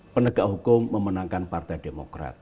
penegak hukum memenangkan partai demokrat